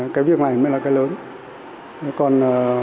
cái việc này mới là cái lớn